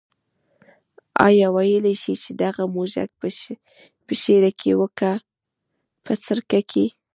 آیا ویلای شې چې دغه موږک په شېره کې و که په سرکه کې.